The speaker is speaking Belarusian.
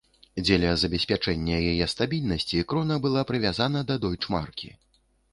Дзеля забеспячэння яе стабільнасці крона была прывязана да дойчмаркі.